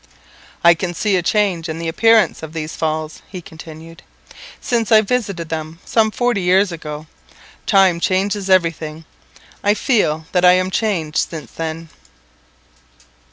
"I can see a change in the appearance of these Falls," he continued, "since I visited them some forty years ago. Time changes everything; I feel that I am changed since then.